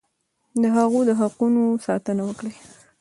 د هغوی د حقوقو ساتنه وکړئ.